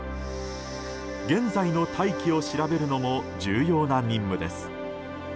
現在の大気を調べるのも重要な任務です。